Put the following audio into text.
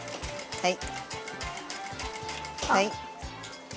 はい。